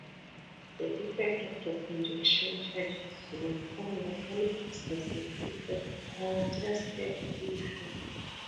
The effect of the congestion charge zone on local businesses is a contested issue.